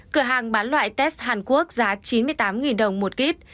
cửa hàng bán loại test hàn quốc giá chín mươi tám đồng một kíp